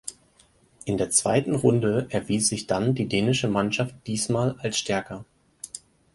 In der zweiten Runde erwies sich dann die dänische Mannschaft diesmal als stärker.